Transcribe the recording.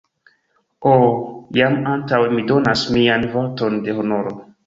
Ho, jam antaŭe mi donas mian vorton de honoro!